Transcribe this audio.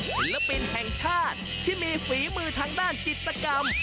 ศิลปินแห่งชาติที่มีฝีมือทางด้านจิตกรรม